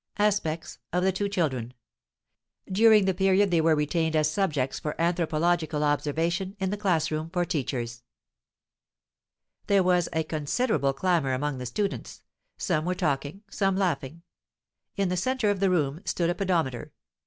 ASPECTS OF THE TWO CHILDREN During the period they were retained as subjects for anthropological observation in the class room for teachers There was a considerable clamor among the students; some were talking, some laughing. In the center of the room stood a pedometer.